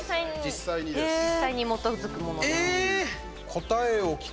実際に基づくものです。